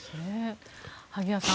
萩谷さん